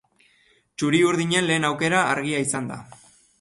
Txuri-urdinen lehen aukera argia izan da.